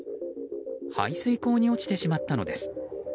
排水溝に落ちてしまったのです。